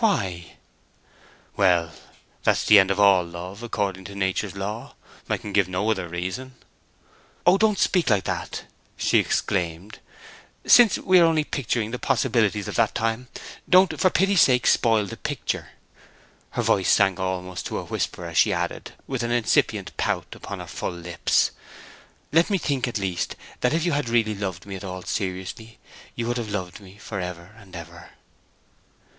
"Why?" "Well—that's the end of all love, according to Nature's law. I can give no other reason." "Oh, don't speak like that," she exclaimed. "Since we are only picturing the possibilities of that time, don't, for pity's sake, spoil the picture." Her voice sank almost to a whisper as she added, with an incipient pout upon her full lips, "Let me think at least that if you had really loved me at all seriously, you would have loved me for ever and ever!"